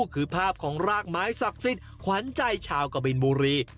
คือภาพของรากไม้ศักดิ์สิทธิ์ขวัญใจชาวกะบินบุรี